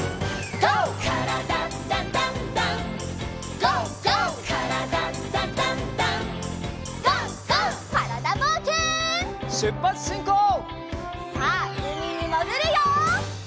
さあうみにもぐるよ！